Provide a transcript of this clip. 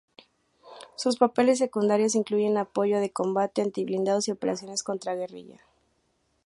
Sus papeles secundarios incluyen apoyo de combate, anti-blindados y operaciones contra guerrilla.